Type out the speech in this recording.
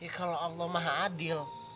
kalau allah maha adil